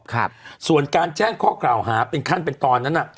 ครับส่วนการแจ้งข้อกล่าวหาเป็นขั้นเป็นตอนนั้นน่ะ